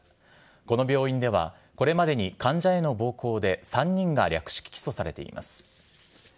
この病院では、これまでに患者への暴行で３人が略式起訴されています。